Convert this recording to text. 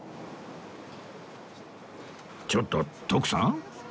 ちょっと徳さん？